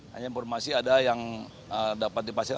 hanya informasi ada yang dapat dipastikan